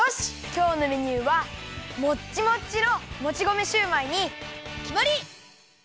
今日のメニューはもっちもっちのもち米シューマイにきまり！